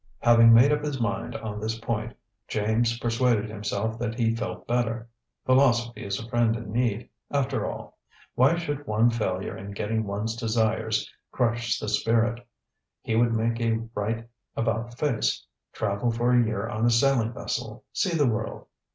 Having made up his mind on this point, James persuaded himself that he felt better. Philosophy is a friend in need, after all. Why should one failure in getting one's desires crush the spirit? He would make a right about face, travel for a year on a sailing vessel, see the world.